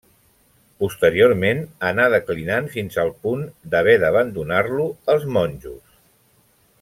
Posteriorment, anà declinant fins al punt d'haver d'abandonar-lo els monjos.